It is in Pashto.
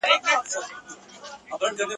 د دښمن کره ځم دوست مي ګرو دی ..